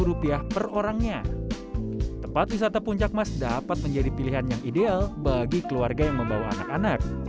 tapi selandangnya tempat toiletnya puncak mas dapat menjadi pilihan yang ideal bagi keluarga yang membawa anak anak